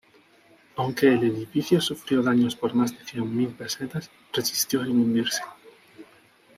Aunque el edificio sufrió daños por más de cien mil pesetas, resistió sin hundirse.